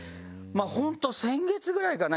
ホント先月ぐらいかな？